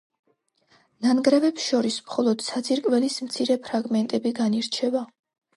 ნანგრევებს შორის მხოლოდ საძირკვლის მცირე ფრაგმენტები განირჩევა.